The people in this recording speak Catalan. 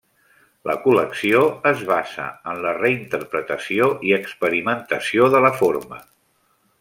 La col·lecció es basa en la reinterpretació i experimentació de la forma.